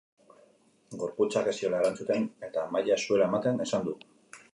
Gorputzak ez ziola erantzuten eta maila ez zuela ematen esan du.